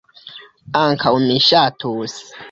Ankaŭ mi ŝatus.